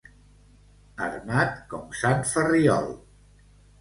Armat com sant Ferriol.